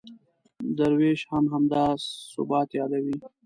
درویش هم همدا ثبات یادوي.